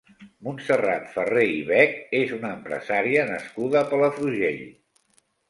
Montserrat Ferrer i Bech és una empresària nascuda a Palafrugell.